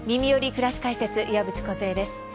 くらし解説」岩渕梢です。